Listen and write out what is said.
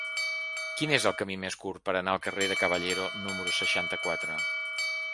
Quin és el camí més curt per anar al carrer de Caballero número seixanta-quatre?